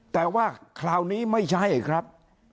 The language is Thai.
แต่ว่าคราวนี้ไม่ใช่ครับ